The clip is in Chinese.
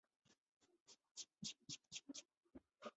甚至于秋刀鱼也有烤鱼串的罐头在市面上贩售。